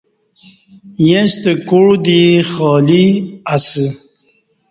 ییݩستہ کوع دی خالی اسہ